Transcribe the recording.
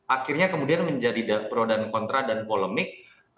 akhirnya kemudian menjadi pro dan kontra dan polemik